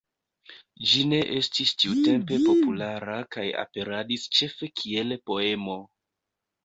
Ĝi ne estis tiutempe populara kaj aperadis ĉefe kiel poemo.